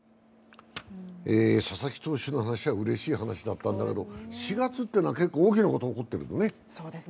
佐々木投手の話はうれしい話だったんだけど４月ってのは結構大きなことが起きてるんだね。